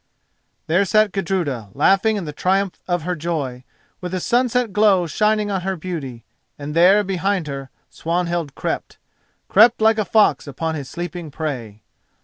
_" There sat Gudruda, laughing in the triumph of her joy, with the sunset glow shining on her beauty, and there, behind her, Swanhild crept—crept like a fox upon his sleeping prey.